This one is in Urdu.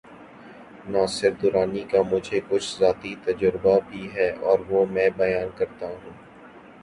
ناصر درانی کا مجھے کچھ ذاتی تجربہ بھی ہے‘ اور وہ میں بیان کرتا ہوں۔